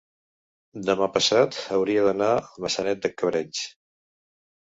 demà passat hauria d'anar a Maçanet de Cabrenys.